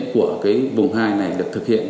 của vùng hai này được thực hiện